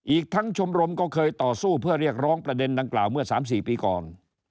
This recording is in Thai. อีกทั้งชมรมก็เคยต่อสู้เพื่อเรียกร้องประเด็นดังกล่าวเมื่อ๓๔ปีก่อน